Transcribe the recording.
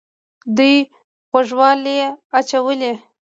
دوی غوږوالۍ اچولې